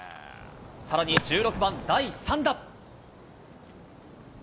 さらに１６番、第３打。